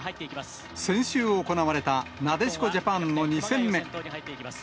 先週行われたなでしこジャパンの２戦目。